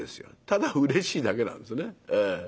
ただうれしいだけなんですよね。